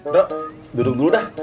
dek duduk dulu dah